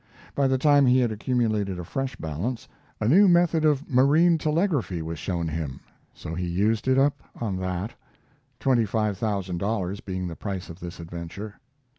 By the time he had accumulated a fresh balance, a new method of marine telegraphy was shown him, so he used it up on that, twenty five thousand dollars being the price of this adventure.